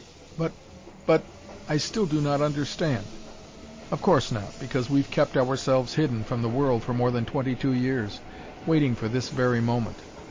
"But but I still do not understand." "Of course not, because we've kept ourselves hidden from the world for more than twenty two years, waiting for this very moment.